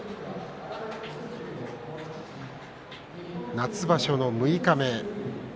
夏場所の六日目